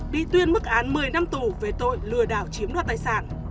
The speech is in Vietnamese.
bị tuyên mức án một mươi năm tù về tội lừa đảo chiếm đoạt tài sản